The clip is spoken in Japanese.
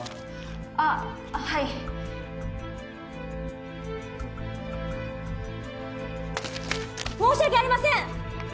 あっはい申し訳ありません！